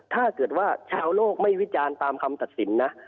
ถ้าเกิดว่าชาวโลกไม่วิจารณ์ตามคำตัดสินนะ